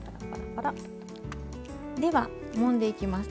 ではもんでいきます。